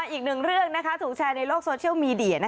อีกหนึ่งเรื่องถูกแชร์ในโลกโซเชียลมีเดีย